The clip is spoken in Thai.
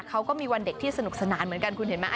เขาก็มีวันเด็กที่สนุกสนานเหมือนกันคุณเห็นไหม